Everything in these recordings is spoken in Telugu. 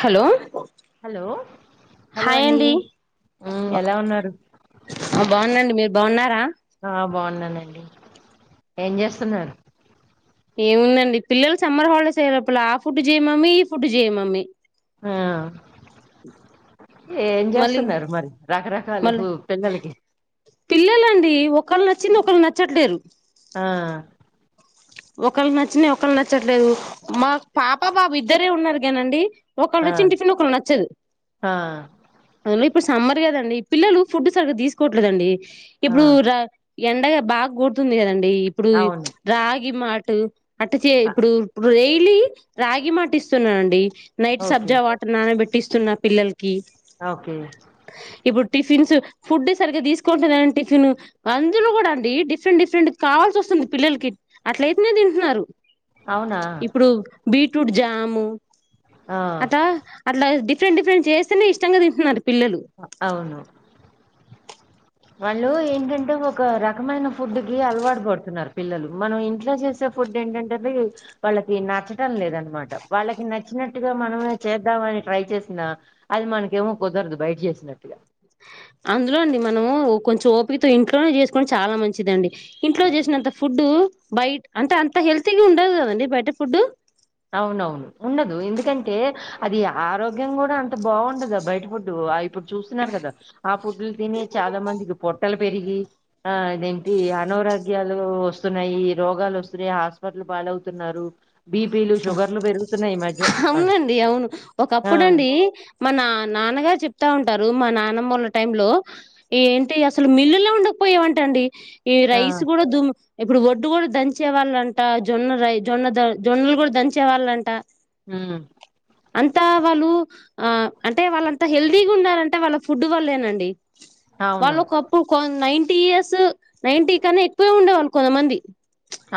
హలో హలో హాయ్ అండి మ్మ్ ఎలా ఉన్నారు బాగుందండి మీరు బాగున్నారా ఆ బాగున్నానండి ఏం చేస్తున్నారు ఏముందండి పిల్లలు సమ్మర్ హాలిడేస్ అయ్యనప్పుల్డు ఆ ఫుడ్ చేయమమ్మ ఈ ఫుడ్ చేయమామ్మమి ఆ ఏం మళ్ళీ చేస్తున్నారు మరి రకరకాలు మళ్ళీ ఉ పిల్లలకి పిల్లలండి ఒకళ్ళు నచ్చింది ఒకళ్రు నచ్చట్లేరు ఆ ఒకళ్ళు నచ్చిన ఒకళ్ళు నచ్చట్లేదు మా పాప బాబు ఇద్దరే ఉన్నారు కానండి ఒక్కల్ ఆ వచ్చన్ టిఫిన్ ఒల్ నచ్చదు ఆ అ రి ఇప్పుడు సమ్మర్ కదండి పిల్లలు ఫుడ్ సరిగ్గా తీసుకోవట్లేదండి ఆ ఇప్పుడు రా ఎండగా బాగా గుడుతుంది కదండడి ఇప్పుడు అవును రాగి మాటు అట్ట చే ఆ, ఇప్పుడు ఇప్పుడు డైలీ రాగి మాటి ఇస్తున్నానండి నైట్ ఓకే సబ్జా వాటర్ నానబట్టి ఇస్తున్నా పిల్లలకి ఓకే ఇప్పుడు టిఫిన్స్ ఫుడ్ సరిగా తీసుకోవట్లేదని టిఫిన్ అందులో కూడా అండి డిఫరెంట్ డిఫరెంట్ కావాల్సి వస్తుంది పిల్లలకి అట్ల అయితేనే తింటున్నారు అవునా ఇప్పుడు బీట్రూట్ జాము ఆ అట్టా అట్లా డిఫరెంట్ డిఫరెంట్ చేస్తేనే ఇష్టంగా తింటున్నారు పిల్లలు అవును వాళ్ళు ఏంటంటే ఒక రకమైన ఫుడ్ కి అలవాటు పడుతున్నారు పిల్లలు మనం ఇంట్లో చేసే ఫుడ్ ఏంటంటే వాళ్ళకి నచ్చడం లేదనమాట వాళ్ళకి నచ్చినట్టుగా మనమే చేద్దామని ట్రై చేసిన అది మనకేమో కుదరదు బయట చేసినట్టుగా అందులో అండి మనము కొంచెం ఓపికతో ఇంట్లోనే చేసుకొని చాలా మంచిదండి ఇంట్లో చేసినంత ఫుడ్ హ్మ్ బయ అంటే అంత హెల్తీగా ఉండదు కదండి బయట ఫుడ్ అవునవును ఉండదు ఎందుకంటే అది ఆరోగ్యం కూడా అంత బాగుండదు బయట ఫుడు ఇప్పుడు చూస్తున్నారు కదా ఆ పుడ్లు తిని చాలా మందికి పొట్టలు పెరిగి ఆ ఇదేంటి అనారోగ్యాలు వస్తున్నాయి రోగాలు వస్తున్నాయి హాస్పిటల్ పాలవుతున్నారు బి అవునండి అవును ఆ! ఒకప్పుడు అండి మ నా నాన్నగారు చెప్ ప్తా ఉంటారు మా నాన్నమ్మూళ్ల టై లో ఏంటి అసలు మిల్లులా ఉండకపోయామంట అండి ఈ ఆ! రైస్ కూడా దుమ్ ఇప్పుడు ఒడ్డు కూడా దంచే వాళ్ళంట జొన్న రై జొన్న ద జొన్నలు కూడా దంచే వాళ్ళంట హు అంతా వాళ్ళు ఆ అంటే వాళ్ళంత హెల్దీగ ఉన్నారంటే వాళ్ళ ఫుడ్ వాళ్ళేనండి వాళ్ళు అవునవును. ఒకప్పుడు నైటీ ఇయర్స్ నైటీ కన్న ఎక్కువే ఉండే వాళ్ళు కొంతమంది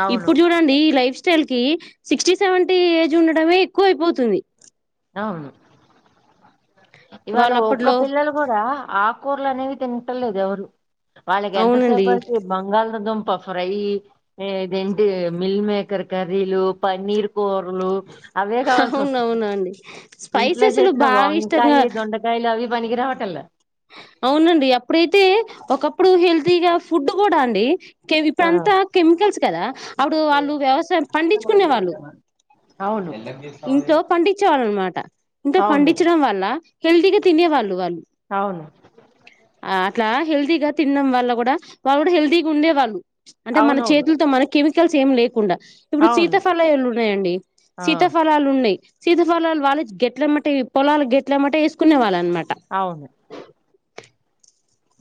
అవును. ఇప్పుడు చూడండి ఈ లైఫ్ స్టైల్ కి సిక్స్టీ సెవెంటీ ఏజ్ ఉండడమే ఎక్కువ అయిపోతుంది అవును ఇవాళ వాళ్ళు ఒక్క అప్పట్లో పిల్లలు కూడ ఆకూకురలు అనేవి తింట లేదు ఎవరు వాళ్ళకి అవునండి ఎంతసేపటికి బంగాల్ దుంప ఫ్రై ఇదేంటి మిల్ మేకర్ కర్రీలు పన్నీరు కూరలు అవే కావాల్సి [unintelligible] అవునవును అండి ఇంట్లో స్పైసెస్లు చేసిన బాగా ఇష్టంగా వానకాయ దొండకాయలు అవి పనికిరావటల్లా అవునండి అప్పుడైతే ఒకప్పుడు హెల్తీగా ఫుడ్ కూడా అండి ఆ ఇప్పుడంతా కెమికల్స్ కదా అప్పుడు వాళ్ళు వ్యవసాయం పండించుకునే వాళ్ళు అవును ఇంట్లో పండి చే వాళ్ళు అనమాట [unintelligible] అవును పండించడం వల్ల హెల్తీగా తినేవాళ్ళు వాళ్ళు అవును ఆ ఇట్లా హెల్దీ గా తినడం వల్ళ కూడ వాళ్ళు కూడ హెల్దీగా ఉండే వాళ్ళు అంటే మన అవునవును చేతులతో మనె చేమికల్స్ ఎం లేకుండా ఇప్పుడు అవును సీతఫలలు ఉన్నాయండి ఆ సీతఫలాలు ఉన్నాయి సీతాఫలాలు వాళ్ళ గెట్ల ఏమ్మంటే ఈ పొలాలు గెట్లమేసుకునే వాళ్ళు అనమాట అవును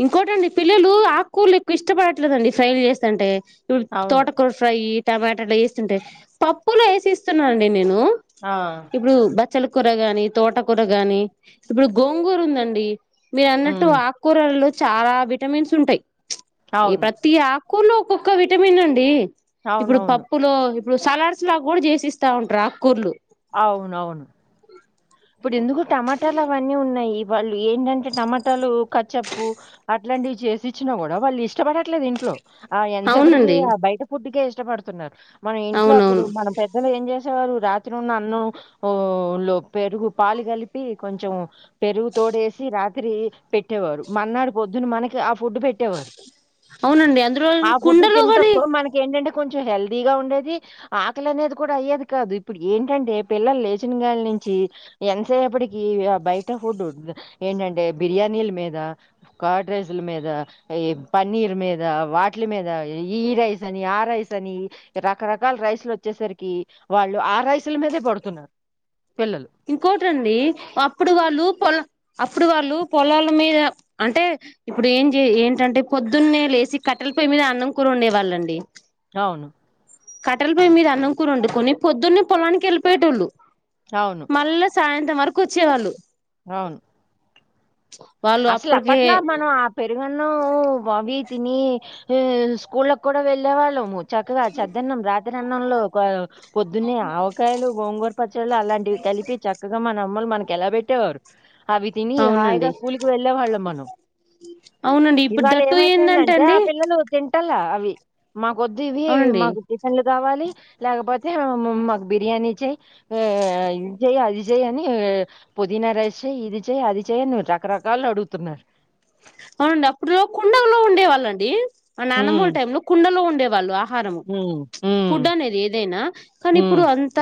ఇంకోటండి పిల్లలు ఆకుకురలు ఎక్కువ ఇష్టపడట్లేదండి ఫ్రైలు చేస్తంటే ఇప్పుడు అవును తోటకూర ఫ్రై టమాటలు వేస్తుంటే పప్పులో వేసిస్తున్నాండి నేను ఆ ఇప్పుడు బచ్చల కూర గాని తోటకూర గాని ఇప్పుడు గోంగూర ఉందండి మీరు అన్నట్టు ఉమ్ ఆకూరలలో చాల విటమిన్స్ ఉంటాయ్ ఈ అవును ప్రతి ఆకుల్లో ఒక్కొక్క విటమిన్ అండి ఇప్పుడు అవునవును పప్పులో ఇప్పుడు సలాడ్స్ లా కూడా చేసిస్తా ఉంటారు ఆకుకూర్లు అవునవును ఇప్పుడు ఎందుకు టమాటాలు అవన్నీ ఉన్నాయి వాళ్ళు ఏంటంటే టమాటాలు కచ్చప్పు అట్లాంటివి చేసి ఇచ్చినా కూడ వాళ్ళు ఇష్ ఇష్టపడట్లేదు ఇంట్లో ఆ ఎంతసేపటికి అవునండి ఆ బయట ఫుడ్కే ఇష్టపడుతున్నారు మన ఇంట్లో అప్పుడు అవునవును మన పెద్దలు ఏం చేసేవారు రాత్రి ఉన్న అన్నం లో పెరుగు పాలు కలిపి కొంచెం పెరుగు తోడేసి రాత్రి పెట్టేవారు మోన్నాడు [unintelligible] మనకి ఆ ఫుడ్ పెట్టేవారు అవునండి అందులో ఆ ఫుడ్ కుండలో కూడా [unintelligible] మనకి ఏంటంటే కొంచెం హెల్దీగ ఉండేది ఆకలి అనేది కూడా అయ్యేది కాదు ఇప్పుడు ఏంటంటే పిల్లలు లేచినగా నుంచి ఎంతసేప్పటికి బయట ఫుడ్ ఉ ఏంటంటే బిర్యానీ ల మీద కాడ్ రైస్ల మీద ఈ పన్నీర్ మీద వాటిల మీద ఈ రైస్ అని ఆ రైస్ అని రకరకాల రైసులు వచ్చేసరికి వాళ్ళు ఆ రైసుల మీదే పడుతున్న ఇంకోటి అండి అప్పుడు వాళ్ళు పొల అప్పుడు వాళ్ళు పొలాల మీద అంటే ఇప్పుడు ఏం చే ఏంటంటే పొద్దున్నే లేచి కట్టెల పొయ్యి మీదే అన్నం కూ వండే వాళ్ళండి అవును కట్టలు పోయి మీద అన్నం [unintelligible] కొన్ని పొద్దున్నే పొలానికి వెళ్ళిపోయేటోళ్ళు అవును మళ్ళా సాయంత్రం వరకు వచ్చేవాళ్ళు అవును వాళ్ళు అసలు అప్పటికే అప్పట్లా మనం ఆ పెరుగు ఎమన్నా అవి తిని స్కూల్కి కూడా వెళ్ళే వాళ్ళము చక్కగా చద్దన్నం రాత్రి అన్నంలో పొద్దున్న ఆవకాయలు గోంగూర పచ్చళ్ళు అలాంటివి కలిపి చక్కగా మన అమ్మలు మనకి ఎలా పెట్టేవారు అవి తిని హయిగా అవునండి స్కూల్కి వెళ్ళే వాళ్ళం మనం అవునండి ఇప్పుడు ఇవాళ దట్టు ఏందంటే ఏమైపోయిందంటే అండి ఆ పిల్లలు తినట్టాల అవి మాకద్దువి అవునండి మాకు టిఫన్లు కావాలి లేకపోతే మకు బిర్యానీ చెయ్ ఆ ఇది చెయ్ అది చెయ్య అని పుదీనా రైస్ చేయి ఇది చేయయి అది చేయ్ అని రకరకాలు అడుగుతున్నారు అవునండి అప్పుడు కుండలో ఉండేవాళ్ళ అండి ఆ హ్మ్. నానమ్మ లా టైమ్ లో కుండలో ఉండేవాళ్ళు ఆహారము హ్మ్ హ్మ్ ఫుడ్ అనేది ఏదైనా కానీ హ్మ్. ఇప్పుడు అంత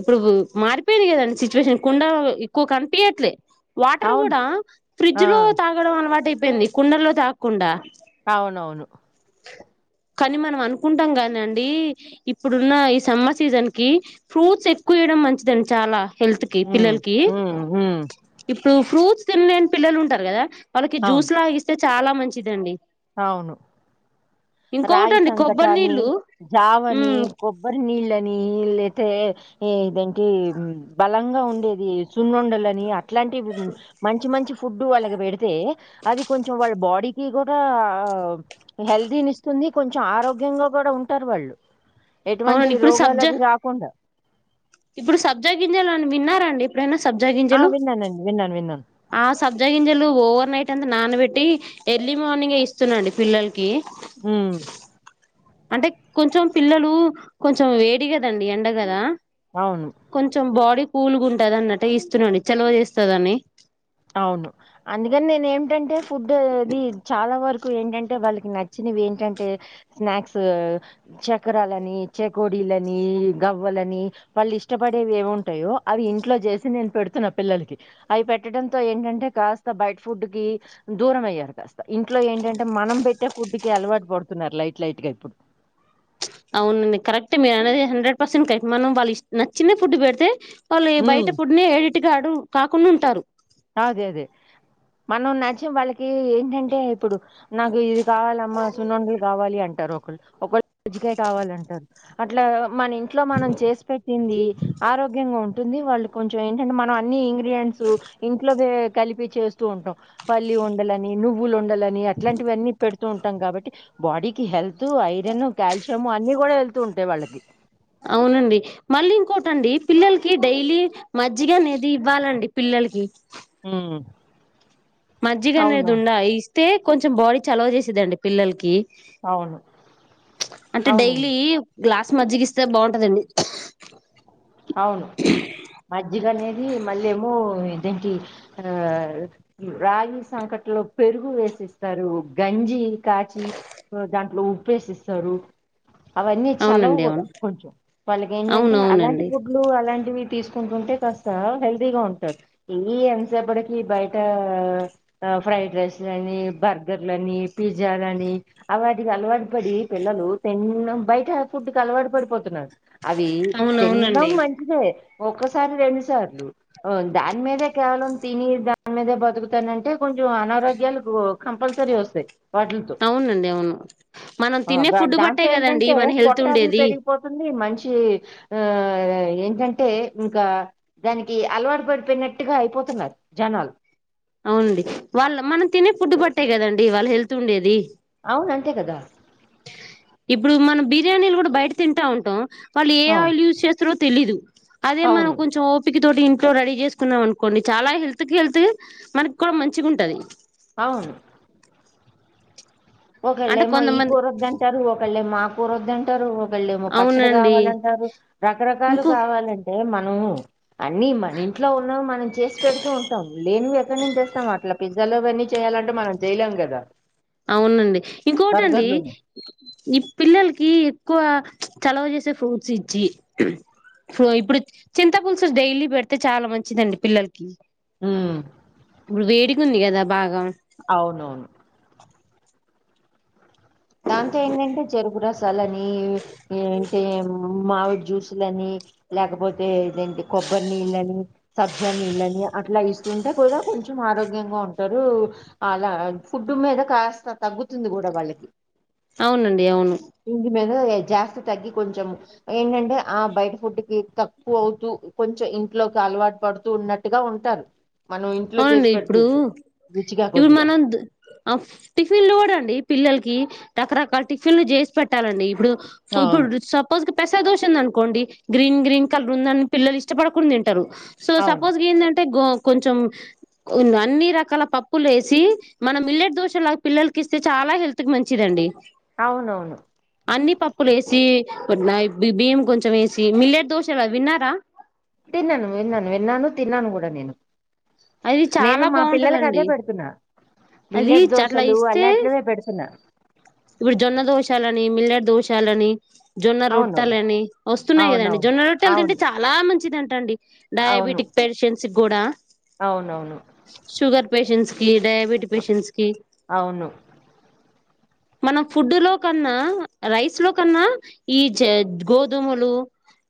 ఇప్పుడు మారిపోయింది కదండి సిచ్యువేషన్ కుండ ఎక్కువ కనిపియట్లే వాటర్ అవును. కూడా ఫ్రిడ్జ్ ఆ! లో తాగడం అలవాటు అయిపోయింది కుండల్లో తాగకుండా అవునవును కానీ మనం అనుకుంటాం కాని అండి ఇప్పుడున్న ఈ సమ్మర్ సీజన్ కి ఫ్రూట్స్ ఎక్కువ తినడం మంచిదని చాలా హెల్త్ కి హ్మ్. పిల్లలకి హ్మ్. హ్మ్. ఇప్పుడు ఫ్రూట్స్ తినలేని పిల్లలు ఉంటారు కదా వాళ్ళకి అవును. జ్యూస్ లాగిస్తే చాలా మంచిదండి అవును రాగి ఇంకొకటండి కొబ్బరి సంకటని నీళ్ళు జావని ఉమ్ కొబ్బరి నీళ్ళని ఇల్ అతే ఇదేంటి బలంగా ఉండేది సున్నొండలని అ ట్లాంటి మంచి మంచి ఫుడ్డు వాళ్ళకి పెడితే అది కొంచెం వాళ్ళ బాడీకి కూడా కూడా ఆ హెల్దీని ఇస్తుంది కొంచెం ఆరోగ్యంగా కూడా ఉంటారు వాళ్ళు ఎటువంటి అవునండి ఇప్పుడు రోగాలు సబ్జా అవి రాకుండా ఇప్పుడు సబ్జా గింజలు అని విన్నారండి ఎప్పుడైనా ఆ! సబ్జాగింజలు విన్నానండి. విన్నాను. విన్నాను. ఆ సబ్జా గింజలు ఓవర్ నైట్ అంతా నానబెట్టి ఎర్లీ మార్నింగ్ ఇస్తున్నాండి పిల్లలకి ఉమ్ అంటే కొంచెం పిల్లలు కొంచెం వేడి కదండి ఎండగదా అవును. కొంచెం బాడీ కూల్గా ఉంటది అన్నట్టు ఇస్తున్నాండి చలవ చేస్తదని అవును అందుకని నేను ఏమిటంటే ఫుడ్ అనేది చాలా వరకు ఏంటంటే వాళ్ళకి నచ్చినవి ఏంటంటే స్నాక్స్ చకరలుని చేకోడి గవ్వలని వాళ్ళు ఇష్టపడేవి ఏమింటాయో అవి ఇంట్లో చేసి నేను పెడుతున్నా పిల్లలు కి అయి పె పెట్టడంతో ఏంటంటే కాస్త బయట ఫుడ్ కి దూరం అయ్యారు కాస్త ఇంట్లో ఏంటంటే మనం పెట్టే ఫుడ్డుకి అలవాటు పడుతున్నారు లైట్ లైట్గా ఇప్పుడు అవునండి కరెక్టే మీరు అనేది హండ్రెడ్ పర్సెంట్ కరెక్ట్ మనం వాళ్ళు ఇ నచ్చిన ఫుడ్ పెడితే వాళ్ళు ఉమ్ బయట ఫుడ్ నీ ఏడిటిగాడు కాకుండా ఉంటారు అదే అదే మనం నచ్చినం వాళ్ళకి ఏంటంటే ఇప్పుడు నాకు ఇది కావాలమ్మా సున్నండలు కావాలి అంటే రు ఒకళు ఒకళ్ళు కజ్జికాయ కావాలంటారు అట్లా మన ఇంట్లో మనం చేసి పెట్టింది ఆరోగ్యంగా ఉంటుంది వాళ్ళు కొంచెం ఏంటంటే మనం అన్ని ఇంగ్రీడియంట్స్ ఇంట్లోవే కలిపి చేస్తూ ఉంటాం పల్లి వండాలని నువ్వులు వండాలని అట్లాంటివన్నీ పెడుతూ ఉంటాం కాబట్టి బాడీకి హెల్త్ ఐరన్ కాల్షియము అన్ని కూడా వెళ్తూ ఉంటాయి వాళ్ళకి అవునండి మళ్ళీ ఇంకోటి అండి పిల్లలకి డైలీ మజ్జిగ అనేది ఇవ్వాలండి అండి పి ల్లలకి ఉమ్ మజ్జిగ అనేది ఉండ ఇస్తే కొంచెం బాడీ చలవ చేసేదఅండి పిల్లలకి అవును అంటే అవున అండి డైలీ గ్లాస్ మజ్జిగి ఇస్తే బాగుంటదఅండి అవును మజ్జిగ అనేది మళ్ళీ ఏమో ఇదే ఎంటి ఆ రాగి సంక ట్లో పెరుగు వేసిస్తారు గంజి కాచి దాంట్లో ఉప్పు వేసి ఇస్తారు అవన్నీ చెలవు అవునండి కూడా అవును కొంచెం వాళ్ళకి ఏంట అంటే అలాంటి అవునవునండి ఫుడ్లు అలా అంటివి తీసుకుంటు ఉంటే కాస్త హెల్దిగా ఉంటారు ఈ ఎంతసేపటికి బయట అ ఫ్రైడ్ రైస్ అని బర్గర్ల అని పిజ్జ అని అవాటి అలవాట్ పడి పిల్లలు తిన్న బయట ఫుడ్ క్ అలవాటు పడిపోతు ఉన్నారు అవి తిండ మ్ అవునవునండి మంచిదే ఒక్కసారి రెండు సార్లు ఓదాని మీదే కేవలం తిని దాని మీదే బతుకుతాన అంటే కొంచ కొంచమ్ అనారోగ్యాలు కు కంపల్సరీ వస్తాయి వాటిల్ తో అవునండి అవును మనం తినే ఫుడ్ బట్టే దాంతో ఏంట కదండి అంటే మన హెల్త్ పొట్ట అవి ఉండేది పెరిగిపోతుంది మనిషి ఆ అదే ఏంట అంటే ఇంకా దానికి అలవాటు పడిపోయినట్టుగా అయిపోతు ఉన్నారు జనాలు అవున అండి వాళ్ళ మనం తినే పుడ్డు బట్టేయి కద అండి వాళ్ళ హెల్త్ ఉండేది అవును అంతే కదా ఇప్పుడు మనం బిర్యానీలు కూడా బయట తింటా ఉంటాం మ్ వాళ్ళు ఏ అవును. ఆయిల్ యూజ్ చేస్తారో తెలీదు అదే మనం అవును. కొంచెం ఓపిక్ తోటి ఇంట్లో రెడీ చేసుకు ఉన్నాం మ్ అనుకో అండి చాలా హెల్త్ కి హెల్త్ మనకి కూడా మంచిగా ఉంట అది ఆ ఒకళ్ళే అంటే మో ఈ కొంతమంది కూర వద్దా అంటారు ఒకళ్ళే మో అ కూర వద్ అంటారు ఓ ఒకళ్ళేమో పచ్చడి అవునండి కావాల అంటారు రకరకాలు ఇంకో కావాలి అంటే మనము అన్ని మన ఇంట్లో ఉన్న మనం చేసి పెడుతూ ఉంటామ్ లేనివి ఎక్కడి నుంచి తెస్తాం అట్లా పిజ్జాలో అవ అన్నీ చేయ్ జ్జలు అంటే మనం చేయ్ లేమ్ కదా అవునఅండి ఇంకోట అండి బర్గర్‌లును. ఈ పిల్లలకి ఎక్కువ చలవ చేసే ఫ్రూట్స్ ఇచ్చి సో ఇప్పుడు చింత పులుసు డైలీ పెడితే చాలా మంచిదఅండి పిల్లలకి మ్ ఇప్పుడు వేడిగు ఉంది కదా బాగా అవును అవును దాంతో ఏంట అంటే చెరుగు రసాల అని ఏం తెలియని మామిడి జ్యూసుల అని లేకపోతే ఎండికొబ్బరి నీళ్ళ అని సబ్జా నీళ్ళ అని అట్లా ఇస్తే దుంటే కూడా కొంచెం ఆరోగ్యంగా ఉంటారు అలా ఫుడ్డు మీద కాస్త తగ్గుతు ఉంది గూడా టే వాళ్ళకి అవున అండి అవును మేనులే జాస్తి తగ్గి కొంచెం ఏంట అంటే ఆ బయట ఫుడ్డుకి తక్కువ అవుతూ కొంచె ఇంట్లోకి అలవాటు పడుతూ ఉన్నట్టుగా ఉంటారు మనం ఇంట్లో ఆ అవున చేసి అండి ఇప్పుడు పెడుతుంటే రుచిగా ఇప్పుడు కొద్దిగా మనం ద్ ఆఫ్ టిఫిన్లో కూడ అండి పిల్లల్కి ఈ రకరకాల టిఫిన్లు చేసి పెట్టాల అండి ఇప్పుడు ఆ, ఫుల్ ఇప్పుడు సపోజ్ క పెసర్ దోషుందనుకో అండి గ్రిన్ గ్రీన్ కలర్ ఉంద అని పిల్లల్ ఇష్టపడకుండ తింట్ టరు సో అవును సపోజ్కేంద అంటే గో కొంచెం మ్ [unintelligible] [inaudible] ఉంద్ అన్ని రకాల పప్పులేసి మన మిల్లెట్ దోశలాగ్ పిల్లల్కిస్తే చాలా హెల్త్ కి మంచిదఅండి అవునవును అన్ని పప్పులేసి కొన్మయ్ బియ్యం కొంచమేసి మిల్లట్ దోశలవి విన్నారా తిన్నాను విన్నాను విన్నాను తిన్నాను కూడా నేను అది నేను చాలా మా పిల్లలకదే బాగుంటదండి పెడుతున్నా అది మిల్లెట్ దోశలు అలాట్లివే పెడుతున్నా ఇప్పుడ్ జొన్న దోషాలని మిల్లెట్ దోషాలని జొన్న అవును రొట్టలని వస్తున్నాయి కదండి అవునవును జొన్న రొట్టల్ అవును తింటే చాలా మంచిదంట అండి అవును డయాబెటిక్ పేషెంట్స్కి కూడా అవునవును పేషెంట్స్కి డయాబెట్ పేషెంట్స్ కి అవును మనం ఫుడ్డు లో కన్నా రైస్ లో కన్నా ఈ జేత్ గోధుమలు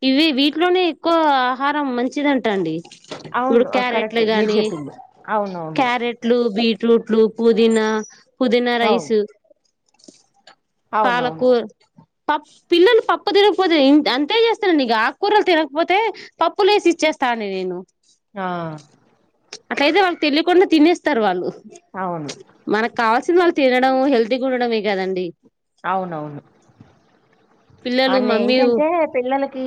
ఇవ్వి వీటిలోనే ఎక్కువ ఆహారం మంచిదంటండి ఇపుడు అవును కరెక్టే మీరు క్యారెట్లుగాని చెప్పింది అవునవును క్యారెట్లు బీట్ రూట్లు పుదీనా పుదీనా అవును రైస్ అవునవును పాలకుర్ పప్ పిల్లలు పప్పు తినకపోతే ఏం అంతే చేస్తానండిగా ఆకుకూరలు తినకపోతే పప్పులేసి ఇచ్చేస్ స్తా అండి నేను ఆ అట్లయితే వాళ్ళక్ తెలియకుండా తినేస్తారు వాళ్ళు అవును మనక్ కావాల్సింది వాళ్ళు తినడం హెల్త్ ల్తిగుండడమే గదండి అవునవును పిల్లలు అన్ని మమ్మీ ఏంటంటే పిల్లలకి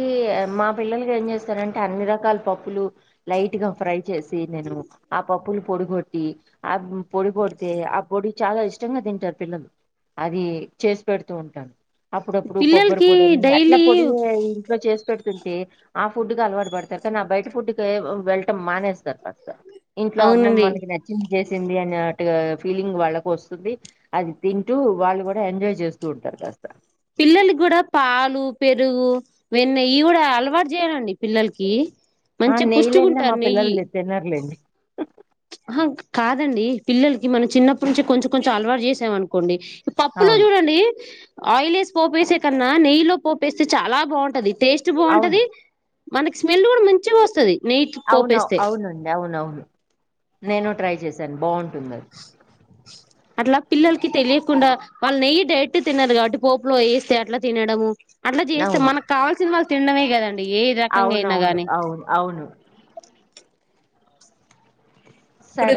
మా పిల్లల్ ఏం చేస్తారంటే అన్ని రకాల్ పప్పులు లైట్ గా ఫ్రై చేసి నేను ఆ పప్పులు పొడి గోట్ టి ఆప్ పొడి గోడితే ఆ పొడి చాలా ఇష్టంగా తింటార్ పిల్లలు అది చేసి పెడుతూ ఉంటాన్ అప్పుడప్పుడు కొబ్బరి పిల్లలకి పొడని అట్లా డైలీ పొడి ఇంట్లో చేస్ పెడుతుంటే ఆ ఫుడ్డు కు అలవాటు పడతారు కానీ నా బయట ఫుడ్డు కేవ్ వ్ వెళ్టం మానేస్తార్ ఫస్ట్ ఇంట్లో అమ్మ అవునండి మనకి నచ్చింది చేసింది అనాట్ ట్టుగ ఫీలింగ్ వాళ్ళకొస్తుంది అది తింటూ వాళ్ళు కూడా ఎంజాయ్ చేస్తూ ఉంటార్ కాస్త పిల్లలక్ కూడా పాలు పెరుగు వెన్నె ఇయ్ కూడా అలవాటు చేయాలండి పిల్లల్కి ఆ నెయ్యిలేందే మా పిల్లలు తినర్లేండి ఆహ్ కాదండి పిల్లల్కి మనం చిన్నప్పట్నుంచి కొంచెం కొంచెం అలవాటు చేసామనుకోండి పప్పులో అవును చూడండి ఆయిల్ ఏస్ పోపేసే కన్నా నెయ్యి లో పోపేస్తే చాలా బాగుంటది టేస్ట్ అవును బాగుంటది మనకి స్మెల్ కూడా మంచిగోస్తది అవునో అవునండి అవునవున్ నేను ట్రై చేశాన్ బాగుంటుందద్ అట్లా పిల్లల్కి తెలియకుండా వాళ్ నెయ్యి డైరెక్ట్ తినరు కాబట్టి పోపులో ఏస్తే అట్లా తినడము అట్లా చేస్తే అవును మనక్ కావాల్సింది వాళ్ తిండమే కదండి ఏ రకంగైనా అవునవును గానీ అవును అవును అవును సరేం ఇప్పుడు